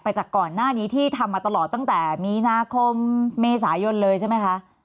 จากก่อนหน้านี้ที่ทำมาตลอดตั้งแต่มีนาคมเมษายนเลยใช่ไหมคะ